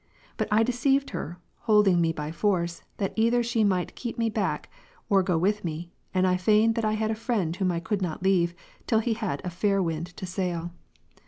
But I deceived her, holding me by force, that either she might keep me back, or go with me, and I feigned that I had a friend whom I could not leave, till he had a fair wind to sail.